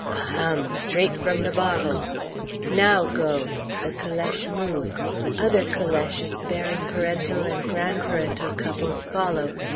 Aham! straight from the bottle. Now, go. The calèche moves. Other calèches bearing parental and grandparental couples follow.